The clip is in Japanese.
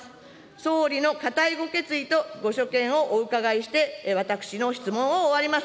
総理の固いご決意と、ご所見をお伺いして、私の質問を終わります。